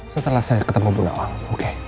setelah saya ketemu bu nawang